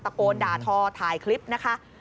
โกนด่าทอถ่ายคลิปนะคะ